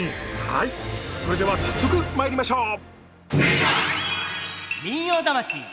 はいそれでは早速まいりましょう！